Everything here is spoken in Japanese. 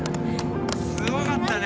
すごかったね。